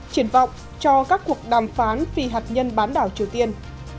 triển vọng cho các cuộc đàm phán phi hạt nhân bán đảo triều tiên